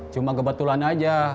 cuma kebetulan aja